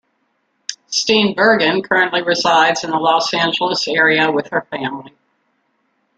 Steenburgen currently resides in the Los Angeles area with her family.